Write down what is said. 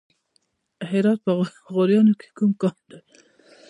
د هرات په غوریان کې کوم کان دی؟